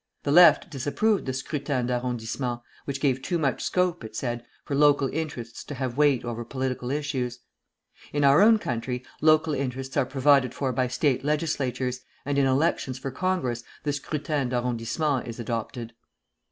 The Left disapproved the scrutin d'arrondissement, which gave too much scope, it said, for local interests to have weight over political issues. In our own country local interests are provided for by State legislatures, and in elections for Congress the scrutin d'arrondissement is adopted.